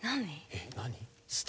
えっ何？